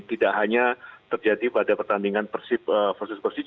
tidak hanya terjadi pada pertandingan persib